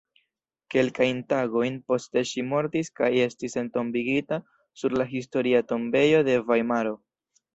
Kelkajn tagojn poste ŝi mortis kaj estis entombigita sur la Historia tombejo de Vajmaro.